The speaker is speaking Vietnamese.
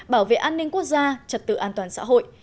bảo vệ an ninh quốc gia trật tự an toàn xã hội